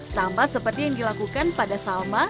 sama seperti yang dilakukan pada salma